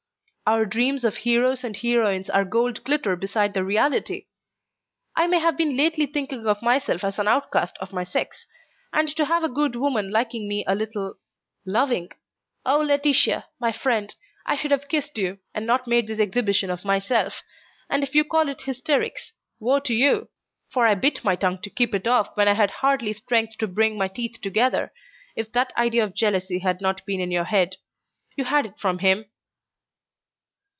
Our dreams of heroes and heroines are cold glitter beside the reality. I have been lately thinking of myself as an outcast of my sex, and to have a good woman liking me a little ... loving? Oh, Laetitia, my friend, I should have kissed you, and not made this exhibition of myself and if you call it hysterics, woe to you! for I bit my tongue to keep it off when I had hardly strength to bring my teeth together if that idea of jealousy had not been in your head. You had it from him."